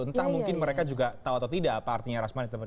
entah mungkin mereka juga tau atau tidak apa artinya rush money